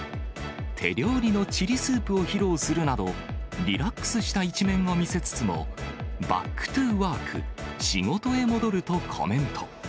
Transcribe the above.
手料理のチリスープを披露するなど、リラックスした一面を見せつつも、バック・トゥ・ワーク、仕事へ戻るとコメント。